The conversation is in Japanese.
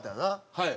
はい。